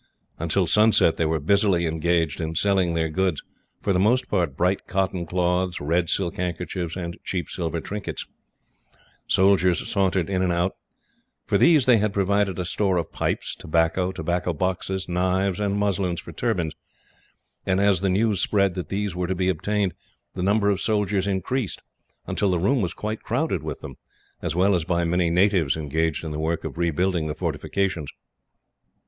Until sunset they were busily engaged in selling their goods for the most part bright cotton cloths, red silk handkerchiefs, and cheap silver trinkets. Soldiers sauntered in and out. For these they had provided a store of pipes, tobacco, tobacco boxes, knives, and muslins for turbans; and as the news spread that these were to be obtained, the number of soldiers increased, until the room was quite crowded with them, as well as by many natives engaged in the work of rebuilding the fortifications.